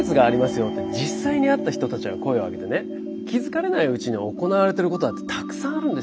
よって実際にあった人たちが声をあげてね気付かれないうちに行われてることだってたくさんあるんですよ。